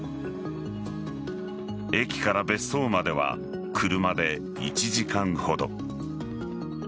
駅から別荘までは車で１時間ほど。